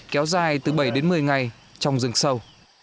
kéo dài từ bảy đến một mươi ngày trong rừng sâu